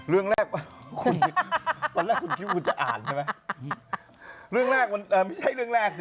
เรื่องแรกป่ะคุณตอนแรกคุณคิดว่าคุณจะอ่านใช่ไหมเรื่องแรกมันเอ่อไม่ใช่เรื่องแรกสิ